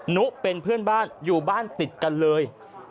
นุเป็นเพื่อนบ้านอยู่บ้านติดกันเลย